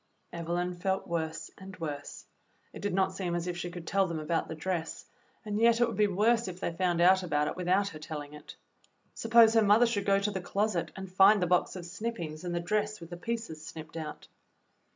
Evelyn felt worse and worse. It did not seem as if she could tell them about the dress, and yet it would be worse if they found out about it without her tell ing it. Suppose her mother should go to the closet and find the box of snippings and the dress with the pieces snipped out.